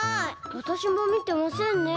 わたしもみてませんね。